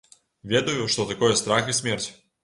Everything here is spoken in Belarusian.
Ведаю, што такое страх і смерць.